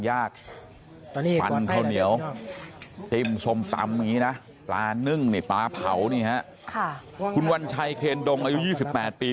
ยากปันเท่าเหนียวจิ้มสมตำอย่างนี้นะปลานึ่งปลาเผาคุณวันชัยเครนดงอายุ๒๘ปี